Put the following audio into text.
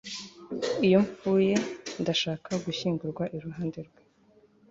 Iyo mpfuye ndashaka gushyingurwa iruhande rwe